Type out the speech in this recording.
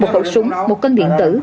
một hậu súng một cân điện tử